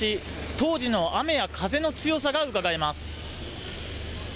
当時の雨や風の強さがうかがえます。